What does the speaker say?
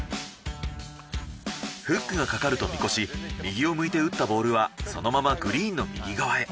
フックがかかると見越し右を向いて打ったボールはそのままグリーンの右側へ。